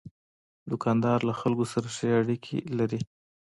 دوکاندار له خلکو سره ښې اړیکې لري.